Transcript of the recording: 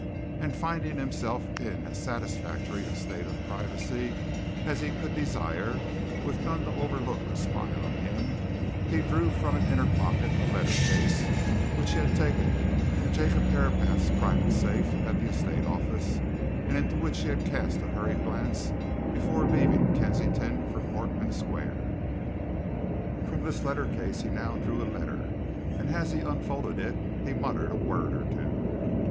And finding himself in as satisfactory a state of privacy as he could desire, with none to overlook or spy on him, he drew from an inner pocket a letter case which he had taken from Jacob Herapath's private safe at the estate office and into which he had cast a hurried glance before leaving Kensington for Portman Square. From this letter case he now drew a letter, and as he unfolded it he muttered a word or two.